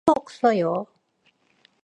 아무것도 없어요.